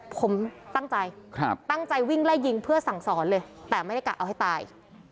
ผมตั้งใจตั้งใจวิ่งไล่ยิงเพื่อสั่งสอนเลยแต่ไม่ได้กะเอาให้ตาย